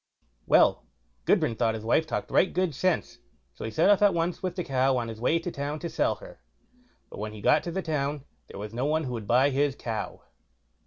Well, Gudbrand thought his wife talked right good sense, so he set off at once with the cow on his way to town to sell her; but when he got to the town, there was no one who would buy his cow.